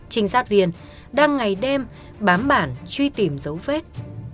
trinh sát viên đang ngày đêm bám bản truy tìm dấu vết